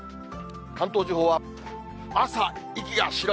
関東地方は朝息が白い。